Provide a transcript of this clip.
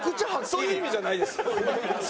そういう意味じゃないですよ。